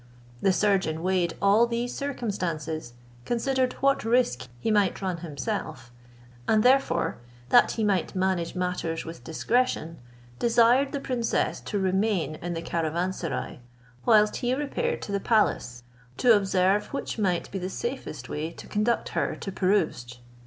The surgeon weighed all these circumstances, considered what risk he might run himself, and therefore, that he might manage matters with discretion, desired the princess to remain in the caravanserai, whilst he repaired to the palace, to observe which might be the safest way to conduct her to Pirouzč.